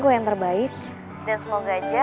gue yang terbaik dan semoga aja